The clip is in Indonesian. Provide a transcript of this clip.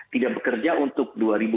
tidak bekerja untuk dua ribu dua puluh